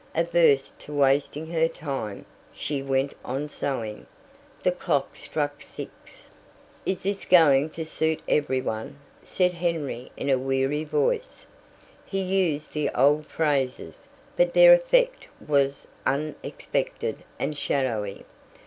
Averse to wasting her time, she went on sewing. The clock struck six. "Is this going to suit every one?" said Henry in a weary voice. He used the old phrases, but their effect was unexpected and shadowy.